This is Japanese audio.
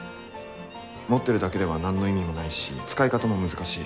持ってるだけでは何の意味もないし使い方も難しい。